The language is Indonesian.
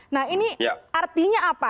nah ini artinya apa